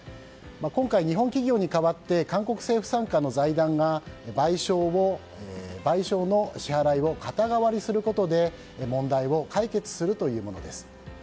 今回、日本企業に代わって韓国政府傘下の財団が賠償の支払いを肩代わりすることで、問題を解決するというものです。